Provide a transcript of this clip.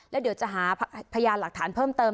แล้วเดี๋ยวจะหาพยานหลักฐานเพิ่มเติม